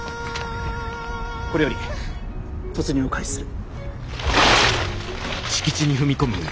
これより突入を開始する。